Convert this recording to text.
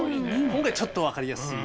今回ちょっと分かりやすい。